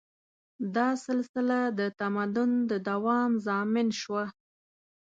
دا سلسله د تمدن د دوام ضامن شوه.